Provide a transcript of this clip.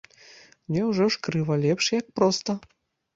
Няўжо ж крыва лепш, як проста?